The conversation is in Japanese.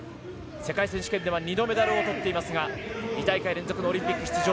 世界選手権では２度メダルを取っていますが２大会連続オリンピック出場。